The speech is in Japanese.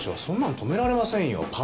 そんなの止められませんよ。